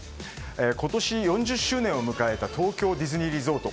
今年４０周年を迎えた東京ディズニーリゾート。